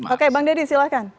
oke bang deddy silahkan